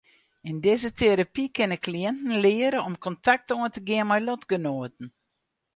Yn dizze terapy kinne kliïnten leare om kontakt oan te gean mei lotgenoaten.